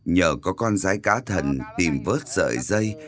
nhờ có con rái cá thần tìm vớt sợi dây